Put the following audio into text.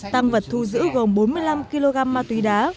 tăng vật thu giữ gồm bốn mươi năm kg ma túy đá